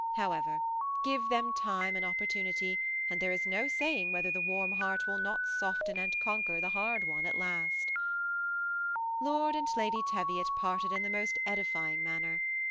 Howev^, give them time and opportunity, and there is no saying whether the warm heart will not soften and conquer the hard one at last Lord and Lady Teviot parted in the most edifying manner.